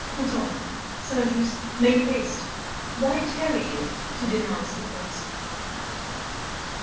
Couthon, Saint Just, make haste; why tarry ye to denounce the plots?